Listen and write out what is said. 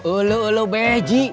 ulu ulu beh ji